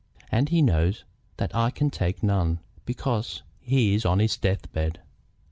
And he knows that I can take none, because he is on his death bed."